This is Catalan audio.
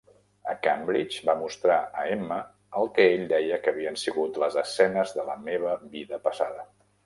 A Cambridge, va mostrar a Emma el que ell deia que havien sigut les "escenes de la meva vida passada".